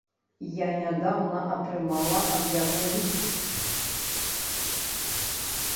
Я нядаўна атрымала ад яго ліст.